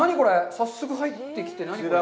早速入ってきて、何これ。